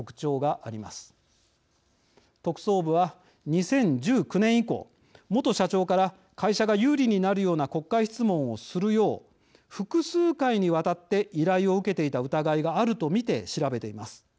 特捜部は２０１９年以降元社長から会社が有利になるような国会質問をするよう複数回にわたって依頼を受けていた疑いがあると見て調べています。